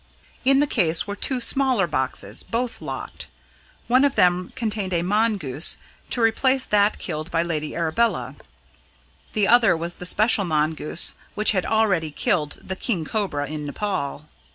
In the case were two smaller boxes, both locked. One of them contained a mongoose to replace that killed by Lady Arabella; the other was the special mongoose which had already killed the king cobra in Nepaul.